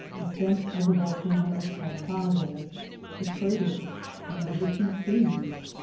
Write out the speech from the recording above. — Aacent of the Volcanb of Cartaga— The Crater.— View of the two Seaa.